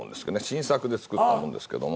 新作で作ったものですけど。